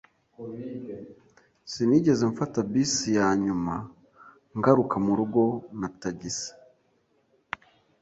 Sinigeze mfata bisi yanyuma, ngaruka murugo na tagisi.